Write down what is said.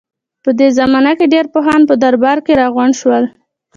په دې زمانه کې ډېر پوهان په درباره کې راغونډ شول.